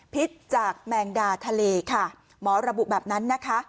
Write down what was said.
พิษจากแมงดาทะเลค่ะหมอระบุแบบนั้นนะคะ